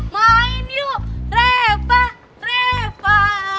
main yuk repa repa